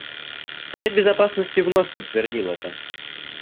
Совет Безопасности вновь подтвердил это.